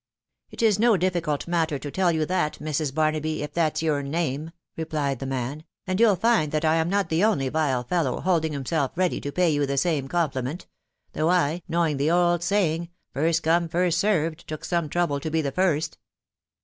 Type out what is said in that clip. " It is no difficult matter to tell you that, Mrs. Barnaby, if that's your name," replied the man ;* and you'll find that I am not the only vile fellow holding himself ready to pay you the same compliment; though I, knowing the old saying * First come, first served,' took some trouble to be the first."